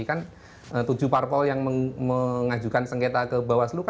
kan tujuh parpol yang mengajukan sengketa ke bawaslu